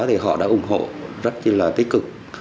thì họ đã ủng hộ rất là tích cực